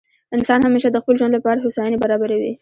انسان همېشه د خپل ژوند له پاره هوسایني برابروي.